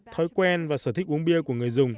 thói quen và sở thích uống bia của người dùng